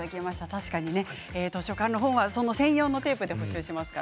確かに図書館の本は専用のテープで補修します。